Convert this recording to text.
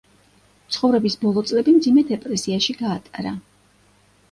ცხოვრების ბოლო წლები მძიმე დეპრესიაში გაატარა.